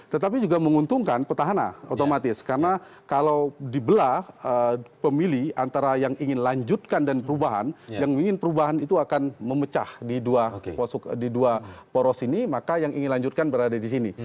tetapi juga menguntungkan petahana otomatis karena kalau dibelah pemilih antara yang ingin lanjutkan dan perubahan yang ingin perubahan itu akan memecah di dua poros ini maka yang ingin lanjutkan berada di sini